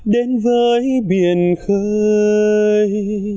đến với biển khơi